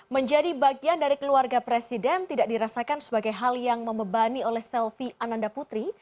menjadi bagian dari keluarga presiden tidak dirasakan sebagai hal yang membebani oleh selvi ananda putri